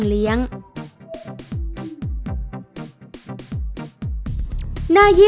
จุดที่๓รวมภาพธนบัตรที่๙